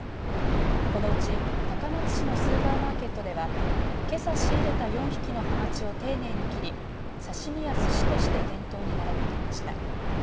このうち高松市のスーパーマーケットではけさ仕入れた４匹のハマチを丁寧に切り刺身や、すしとして店頭に並べていました。